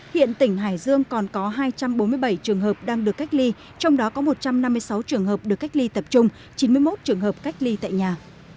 hiện tỉnh hải dương còn có hai trăm bốn mươi bảy trường hợp đang được cách ly trong đó có một trăm năm mươi sáu trường hợp được cách ly tập trung chín mươi một trường hợp cách ly tại nhà